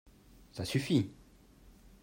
Ça suffit !